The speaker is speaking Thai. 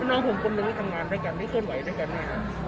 ทุกน้องผมกลมหนึ่งกับคำงานด้วยกันบริกรไตเลยด้วยกันเนี่ยครับ